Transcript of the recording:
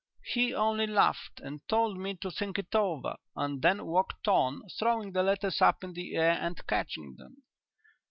"He only laughed and told me to think it over, and then walked on, throwing the letters up into the air and catching them.